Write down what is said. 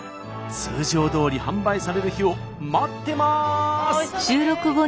通常どおり販売される日を待ってます！